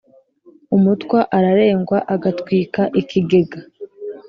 Umutwa ararengwa agatwika ikigega.